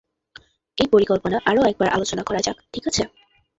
এই পরিকল্পনা আরও একবার আলোচনা করা যাক, ঠিক আছে?